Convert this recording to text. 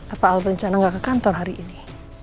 apa al berencana nggak ke kantor hari ini